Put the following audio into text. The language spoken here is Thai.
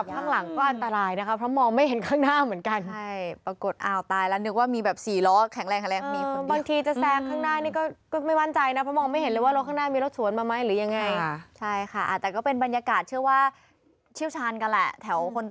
ข้างหลังก็อันตรายนะคะเพราะมองไม่เห็นข้างหน้าเหมือนกัน